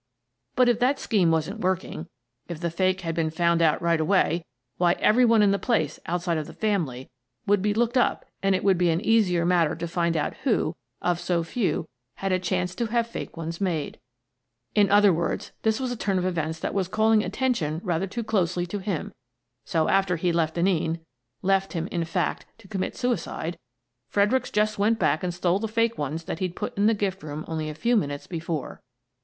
But if that scheme wasn't working — if the fake had been found out right away — why, every one in the place, outside of the family, would be looked up and it would be an easier matter to find out who, of so few, had a chance to have fake ones made. In other 104 Miss Frances Baird, Detective words, this was a turn of events that was calling attention rather too closely to him. So, after he'd left Denneen — left him, in fact, to commit suicide — Fredericks just went back and stole the fake ones that he'd put in the gift room only a few minutes before."